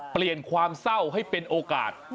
เปลี่ยนความเศร้าให้เป็นโอกาส